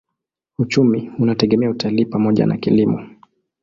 Uchumi unategemea utalii pamoja na kilimo.